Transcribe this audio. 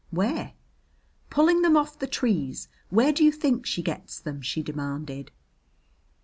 "Where?" "Pulling them off the trees. Where do you think she gets them?" she demanded.